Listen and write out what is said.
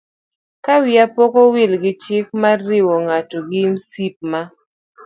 Ka wiya pok owil gi chik mar riwo ng'ato gi msip ma